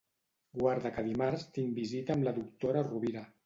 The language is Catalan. Guarda que dimarts tinc visita amb la doctora Rovira.